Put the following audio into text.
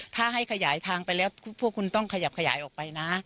ถ้าให้ขยายทางไปแล้วพวกคุณต้องขยับขยายออกไปนะ